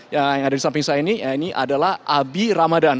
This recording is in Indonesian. yang ada di samping saya ini ini adalah abi ramadan